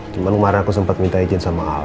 cuma kemarin aku sempat minta izin sama ahok